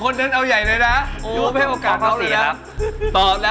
๒คนเนินเอาใหญ่เลยนะ